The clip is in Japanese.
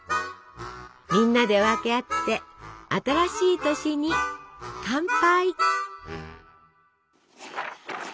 みんなで分けあって新しい年に乾杯！